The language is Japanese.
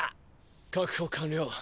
確保完了！